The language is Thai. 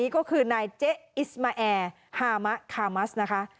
ก็คือนายเจ๊อิสมาแอร์ฮามะคามัสนะคะ